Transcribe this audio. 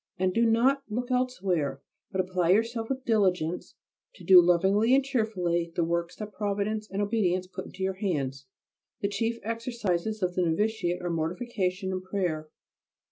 And do not look elsewhere, but apply yourself with diligence to do lovingly and cheerfully the works that Providence and obedience put into your hands. The chief exercises of the novitiate are mortification and prayer.